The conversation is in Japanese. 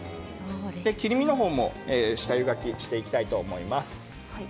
切り身も下ゆがきしていきたいと思います。